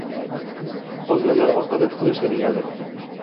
Qolganlari orqada tiqilishdi negadir.